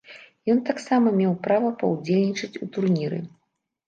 Ён таксама меў права паўдзельнічаць у турніры.